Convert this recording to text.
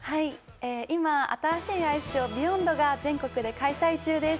今、新しいアイスショー「ＢＥＹＯＮＤ」が全国で開催中です。